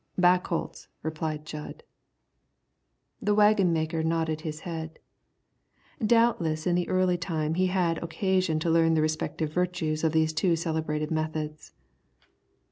"Back holts," replied Jud. The waggon maker nodded his head. Doubtless in the early time he had occasion to learn the respective virtues of these two celebrated methods.